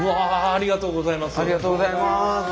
ありがとうございます。